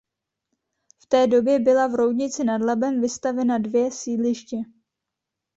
V té době byla v Roudnici nad Labem vystavena dvě sídliště.